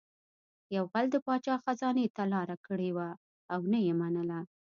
یو غل د پاچا خزانې ته لاره کړې وه او نه یې منله